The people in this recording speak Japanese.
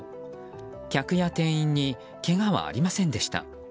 客や店員にけがはありませんでした。